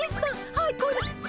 はいこれ。